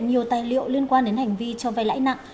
nhiều tài liệu liên quan đến hành vi cho vay lãi nặng